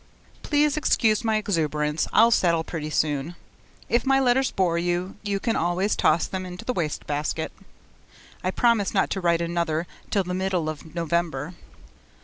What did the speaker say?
Please excuse my exuberance; I'll settle pretty soon. If my letters bore you, you can always toss them into the wastebasket. I promise not to write another till the middle of November.